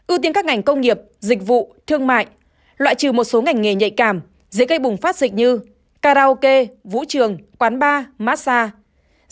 ưu tiên các ngành công nghiệp dịch vụ thương mại loại trừ một số ngành nghề nhạy cảm dễ gây bùng phát dịch như karaoke vũ trường quán bar massage